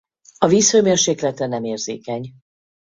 A vízhőmérsékletre nem érzékeny.